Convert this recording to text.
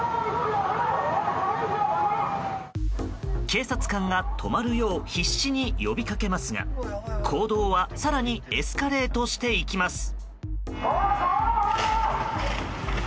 警察官が止まるよう必死に呼びかけますが行動は更にエスカレートしていきます。